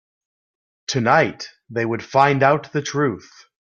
Tonight, they would find out the truth.